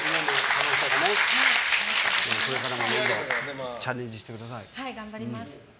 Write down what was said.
これからもどんどんチャレンジしてください。